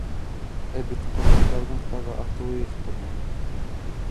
Ә бит ҡорбандарҙың тағы артыуы ихтимал.